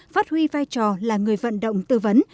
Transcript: phát huy vai trò là người vận động tư vấn